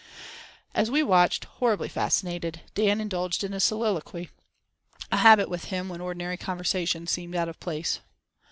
As we watched, horribly fascinated, Dan indulged in a soliloquy—a habit with him when ordinary conversation seemed out of place.